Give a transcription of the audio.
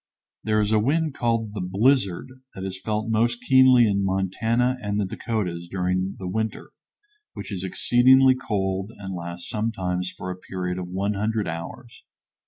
There is a wind called the "blizzard" that is felt most keenly in Montana and the Dakotas during the winter, which is exceedingly cold and lasts sometimes for a period of 100 hours.